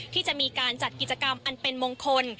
ที่จะมีการจัดกิจกรรมอันเป็นมงคล